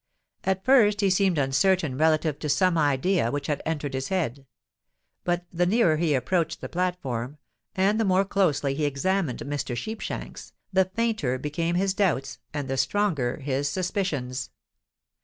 At first he seemed uncertain relative to some idea which had entered his head; but the nearer he approached the platform, and the more closely he examined Mr. Sheepshanks, the fainter became his doubts and the stronger his suspicions.